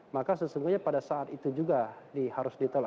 maka sesungguhnya pada saat itu juga harus ditelur